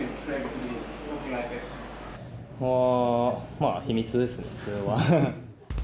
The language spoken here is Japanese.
まあ、秘密ですね、それは。